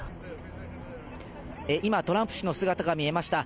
今、トランプ氏の姿が見えました。